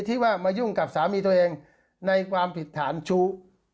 ที่ว่ามายุ่งกับสามีตัวเองในความผิดฐานชู้